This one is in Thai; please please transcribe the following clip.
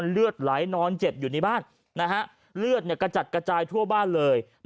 เลือดกระจัดกระจายทั่วบ้านเลย